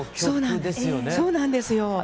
そうなんですよ。